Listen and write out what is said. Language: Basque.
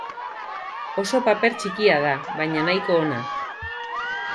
Oso paper txikia da, baina nahiko ona.